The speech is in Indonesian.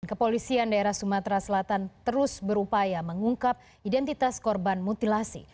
kepolisian daerah sumatera selatan terus berupaya mengungkap identitas korban mutilasi